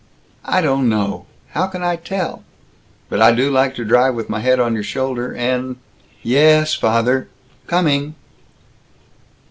"I don't know! How can I tell? But I do like to drive with my head on your shoulder and Yesssss, father, coming!"